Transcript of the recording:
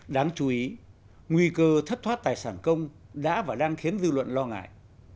đáng chú ý nguy cơ thất thoát tài sản công đã và đang khiến dư luận lo ngại